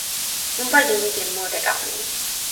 unpa li ike mute tawa mi.